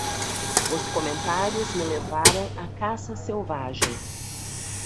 Os comentários me levaram a caça selvagem.